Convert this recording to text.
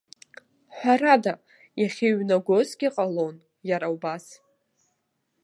Ҳәарада, иахьеиҩнагозгьы ҟалон, иара убас.